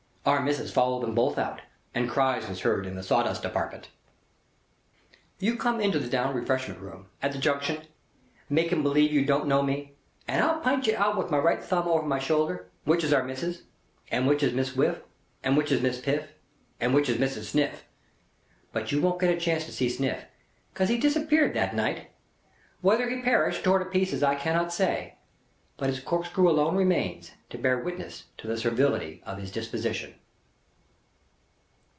Our Missis followed them both out, and cries was heard in the sawdust department. You come into the Down Refreshment Room, at the Junction, making believe you don't know me, and I'll pint you out with my right thumb over my shoulder which is Our Missis, and which is Miss Whiff; and which is Miss Piff; and which is Mrs. Sniff. But you won't get a chance to see Sniff, because he disappeared that night. Whether he perished, tore to pieces, I cannot say; but his corkscrew alone remains, to bear witness to the servility of his disposition.